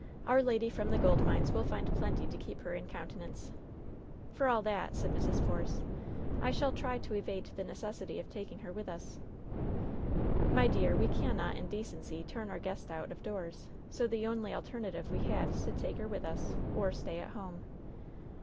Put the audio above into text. Our lady from the gold mines will find plenty to keep her in countenance.*' "For all that,'' said Mrs. Force, "I shall try to evade the necessity of taking her with us." 'Td^y dear, we caimot, in decency, turn our guest out of doors; so the only alternative we have is to take her with us or stay at home."